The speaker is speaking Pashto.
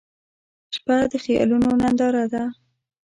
• شپه د خیالونو ننداره ده.